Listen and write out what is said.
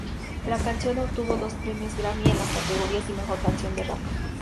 La canción obtuvo dos premios Grammy en las categorías y mejor canción de rap.